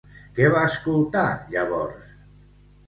Què va escoltar llavors?